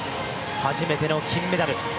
初めての金メダル。